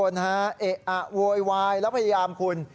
เอะอะโวยวายแล้วพยายามคุณ